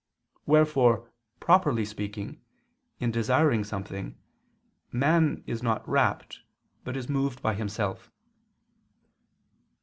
Wherefore, properly speaking, in desiring something, a man is not rapt, but is moved by himself.